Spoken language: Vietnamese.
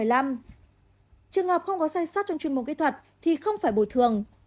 trường hợp không có say sát trong chuyên môn kỹ thuật thì không phải bồi thường